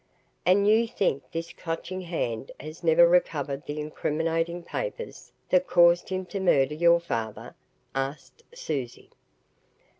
"And you think this Clutching Hand has never recovered the incriminating papers that caused him to murder your father?" asked Susie.